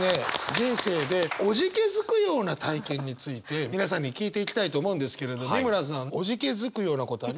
人生でおじけづくような体験について皆さんに聞いていきたいと思うんですけれど美村さんおじけづくようなことあります？